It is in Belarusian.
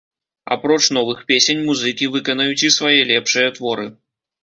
Апроч новых песень музыкі выканаюць і свае лепшыя творы.